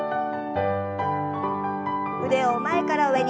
腕を前から上に。